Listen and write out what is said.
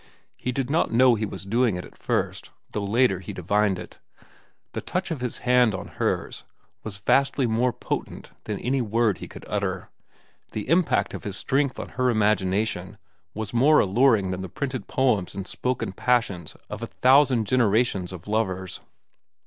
He did not know he was doing it at first, though later he divined it. The touch of his hand on hers was vastly more potent than any word he could utter, the impact of his strength on her imagination was more alluring than the printed poems and spoken passions of a thousand generations of lovers.